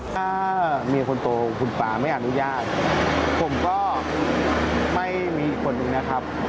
ถ้าเมียคนโตคุณป่าไม่อนุญาตผมก็ไม่มีอีกคนนึงนะครับ